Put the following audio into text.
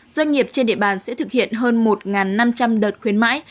doanh nghiệp trên địa bàn sẽ thực hiện hơn một năm trăm linh đợt khuyến mãi